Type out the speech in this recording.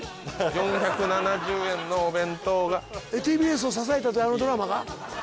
４７０円のお弁当がＴＢＳを支えたというあのドラマが？